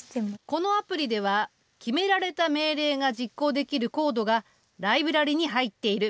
このアプリでは決められた命令が実行できるコードがライブラリに入っている。